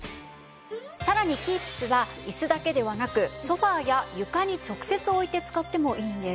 さらにＫｅｅｐｓは椅子だけではなくソファや床に直接置いて使ってもいいんです。